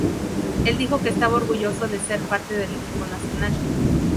Él dijo que estaba orgulloso de ser parte del equipo nacional.